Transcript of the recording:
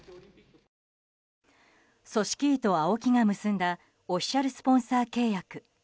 組織委とＡＯＫＩが結んだオフィシャルスポンサー契約。